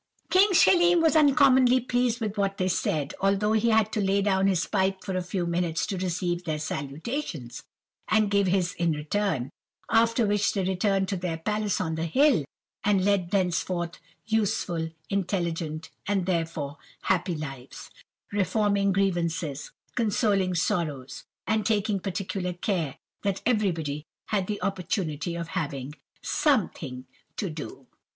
"King Schelim was uncommonly pleased with what they said, although he had to lay down his pipe for a few minutes to receive their salutations, and give his in return; after which they returned to their palace on the hill, and led thenceforward useful, intelligent, and therefore happy lives, reforming grievances, consoling sorrows, and taking particular care that everybody had the opportunity of having something to do.